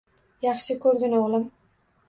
Yaxshi ko‘rgin, o‘g‘lim.